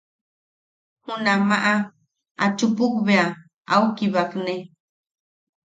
Junamaʼa a chupuk bea, au kibakne.